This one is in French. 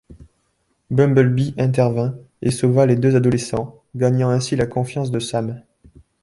Bumblebee intervint et sauva les deux adolescents, gagnant ainsi la confiance de Sam.